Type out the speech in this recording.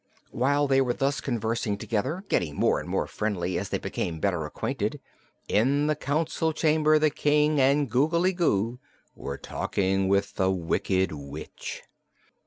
While they were thus conversing together, getting more and more friendly as they became better acquainted, in the Council Chamber the King and Googly Goo were talking with the Wicked Witch.